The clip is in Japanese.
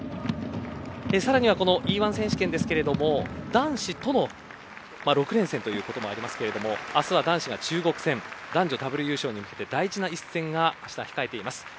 さらには、このＥ‐１選手権ですけれども男子との６連戦ということもありますけれども明日は男子が中国戦男女ダブル優勝に向けて大事な一戦があした、控えています。